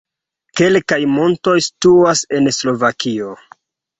Kelkaj montoj situas en Slovakio.